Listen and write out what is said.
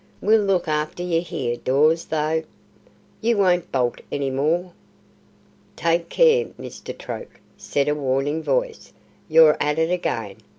We'll look after yer here, Dawes, though. You won't bolt any more." "Take care, Mr. Troke," said a warning voice, "you're at it again!